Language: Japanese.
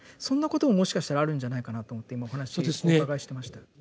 そんなことももしかしたらあるんじゃないかなと思って今お話お伺いしてました。